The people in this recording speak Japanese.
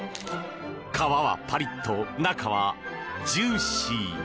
皮はパリッと中はジューシー！